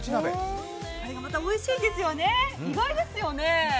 これがまたおいしいんですよね、意外ですよね。